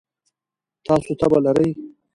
تاسو تبه لرئ؟